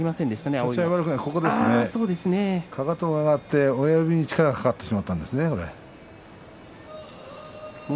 かかとが上がって親指に力が入ってしまったんですね。